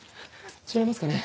違いますかね？